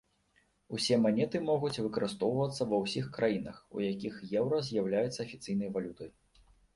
Усе манеты могуць выкарыстоўвацца ва ўсіх краінах, у якіх еўра з'яўляецца афіцыйнай валютай.